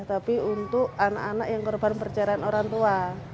tapi untuk anak anak yang korban perjalanan orang tua